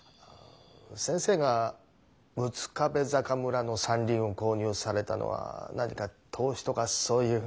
先生が六壁坂村の山林を購入されたのは何か投資とかそういう？